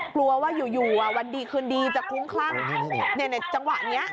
กลัวว่าอยู่วันดีคืนดีจะคลุ้มคลั่งในจังหวะนี้